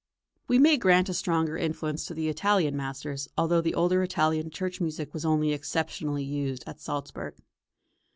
We may grant a stronger influence to the Italian masters, {ITALIAN INFLUENCE.} (285) although the older Italian church music was only exceptionally used at Salzburg.